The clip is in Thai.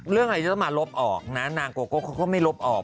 เรื่องอะไรจะต้องมาลบออกนะนางโกโก้เขาก็ไม่ลบออก